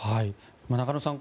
中野さん